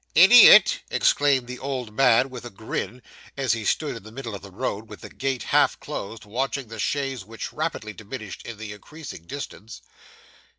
'Idiot!' exclaimed the old man with a grin, as he stood in the middle of the road with the gate half closed, watching the chaise which rapidly diminished in the increasing distance.